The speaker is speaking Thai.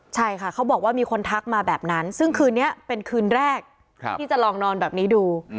ใช่ค่ะเขาบอกว่ามีคนทักมาแบบนั้นซึ่งคืนนี้เป็นคืนแรกที่จะลองนอนแบบนี้ดู